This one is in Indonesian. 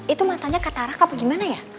itu matanya katarak apa gimana ya